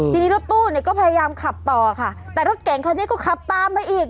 ทีนี้รถตู้เนี่ยก็พยายามขับต่อค่ะแต่รถเก่งคันนี้ก็ขับตามมาอีก